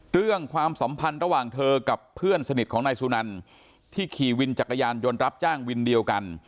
ความสัมพันธ์ระหว่างเธอกับเพื่อนสนิทของนายสุนันที่ขี่วินจักรยานยนต์รับจ้างวินเดียวกัน